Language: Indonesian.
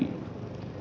bahwa benar kemudian